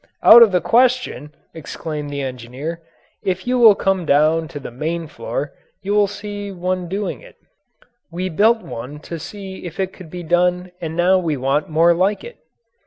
"Out of the question!" exclaimed the engineer, "if you will come down to the main floor you will see one doing it; we built one to see if it could be done and now we want more like it."